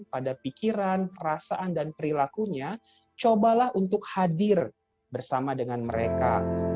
pada pikiran perasaan dan perilakunya cobalah untuk hadir bersama dengan mereka